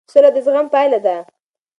سوله د زغم پایله ده